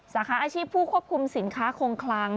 สาขาอาชีพผู้ควบคุมสินค้าคงคลัง